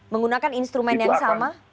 menggunakan instrumen yang sama